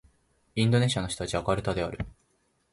インドネシアの首都はジャカルタである